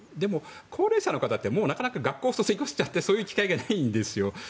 高齢者の方って学校を卒業しちゃったのでそういう機会がないんですよ。